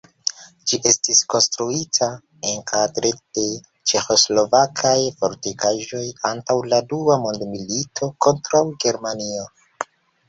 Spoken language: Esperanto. Ĝi estis konstruita enkadre de ĉeĥoslovakaj fortikaĵoj antaŭ la dua mondmilito kontraŭ Germanio.